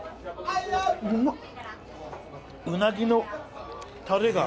うまっ